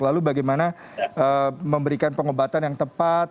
lalu bagaimana memberikan pengobatan yang tepat